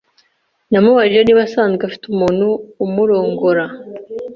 Namubajije niba asanzwe afite umuntu umurongora